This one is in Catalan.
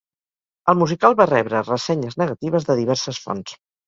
El musical va rebre ressenyes negatives de diverses fonts.